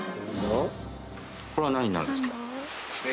これは何になるんですか？